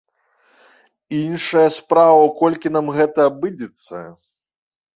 Іншая справа, у колькі нам гэта абыдзецца.